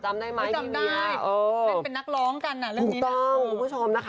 มันขายเกินไหล